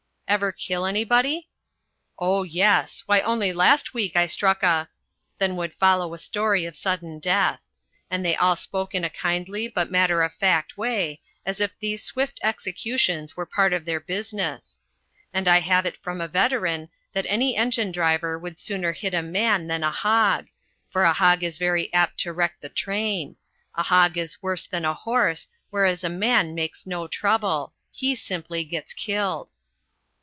"Ever kill anybody?" "Oh, yes. Why, only last week I struck a " Then would follow a story of sudden death. And they all spoke in a kindly but matter of fact way, as if these swift executions were part of their business. And I have it from a veteran that any engine driver would sooner hit a man than a hog, for a hog is very apt to wreck the train; a hog is worse than a horse, whereas a man makes no trouble; he simply gets killed.